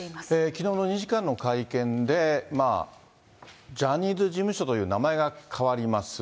きのうの２時間の会見で、ジャニーズ事務所という名前が変わります。